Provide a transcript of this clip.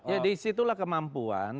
ya disitulah kemampuan